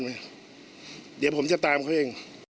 เดี๋ยวผมจะตามเขาเอง